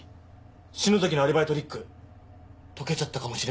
篠崎のアリバイトリック解けちゃったかもしれません。